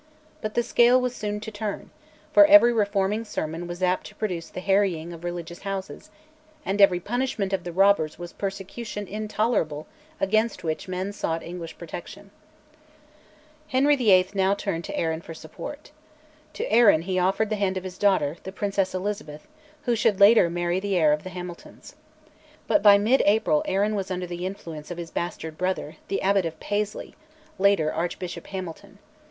But the scale was soon to turn; for every reforming sermon was apt to produce the harrying of religious houses, and every punishment of the robbers was persecution intolerable against which men sought English protection. Henry VIII. now turned to Arran for support. To Arran he offered the hand of his daughter, the Princess Elizabeth, who should later marry the heir of the Hamiltons. But by mid April Arran was under the influence of his bastard brother, the Abbot of Paisley (later Archbishop Hamilton).